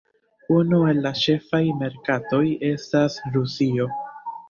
Unu el ĉefaj merkatoj estas Rusio.